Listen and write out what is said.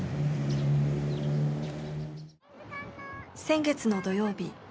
先月の土曜日。